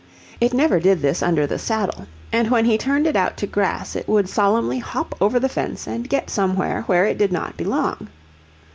It never did this under the saddle; and when he turned it out to grass it would solemnly hop over the fence and get somewhere where it did not belong.